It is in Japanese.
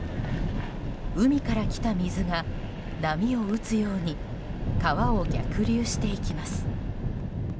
海から来た水が、波を打つように川を逆流していきます。